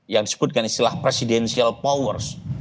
yang disebutkan istilah presidential power